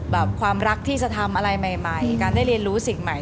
ความรักที่จะทำอะไรใหม่การได้เรียนรู้สิ่งใหม่